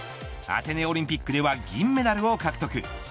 アテネオリンピックでは銀メダルを獲得。